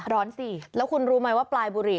สิแล้วคุณรู้ไหมว่าปลายบุหรี่